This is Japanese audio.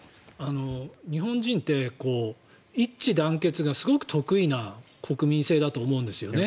日本人って一致団結がすごく得意な国民性だと思うんですよね。